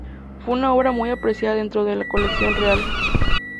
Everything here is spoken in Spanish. Fue una obra muy apreciada dentro de la Colección Real.